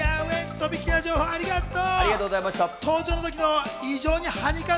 とびっきりの情報ありがとう。